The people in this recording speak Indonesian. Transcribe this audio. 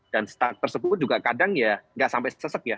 dan stuck tersebut juga kadang ya tidak sampai sesek ya